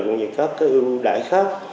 cũng như có cái ưu đãi khác